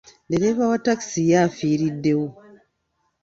Ddereeva wa takisi ye afiiriddewo.